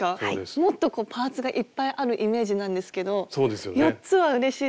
もっとパーツがいっぱいあるイメージなんですけど４つはうれしいですね。